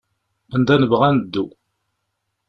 Anda nebɣa ad neddu.